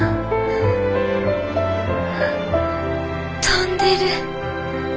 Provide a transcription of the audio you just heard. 飛んでる。